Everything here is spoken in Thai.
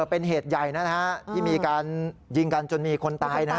เป็นเหตุใหญ่นะฮะที่มีการยิงกันจนมีคนตายนะฮะ